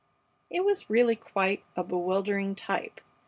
It was really quite a bewildering type.